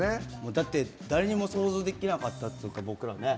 だって、誰にも想像できなかったっていうか僕らね。